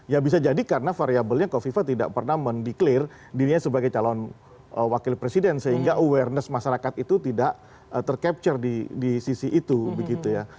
ya bisa jadi karena variabelnya kofifa tidak pernah mendeklir dirinya sebagai calon wakil presiden sehingga awareness masyarakat itu tidak tercapture di sisi itu begitu ya